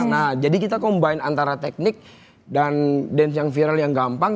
nah jadi kita combine antara teknik dan dance yang viral yang gampang